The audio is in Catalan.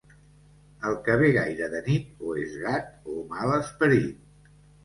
El que ve gaire de nit, o és gat, o mal esperit.